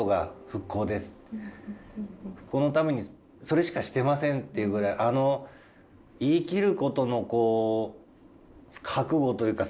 「復興のためにそれしかしてません」っていうぐらいあの言い切ることのこう覚悟というか